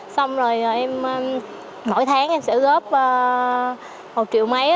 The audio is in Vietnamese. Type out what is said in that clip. xong rồi mỗi tháng em sẽ góp một triệu mấy